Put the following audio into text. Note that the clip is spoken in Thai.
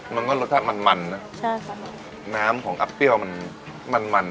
มันก็รสชาติมันมันนะใช่ค่ะน้ำของอับเปรี้ยวมันมัน